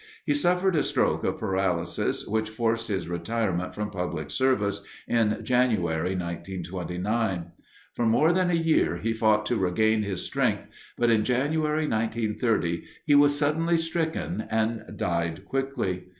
He suffered a stroke of paralysis which forced his retirement from public service in January, 1929. For more than a year he fought to regain his strength but in January, 1930, he was suddenly stricken and died quickly.